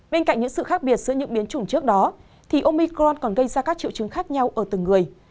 bên cạnh những sự khác biệt giữa những biến chủng trước đó thì omicron còn gây ra các triệu chứng khác nhau ở từng người